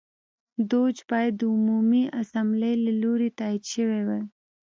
دوج باید د عمومي اسامبلې له لوري تایید شوی وای.